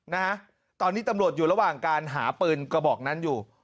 นะฮะตอนนี้ตำรวจอยู่ระหว่างการหาปืนกระบอกนั้นอยู่